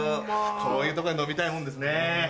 こういうとこで飲みたいもんですね。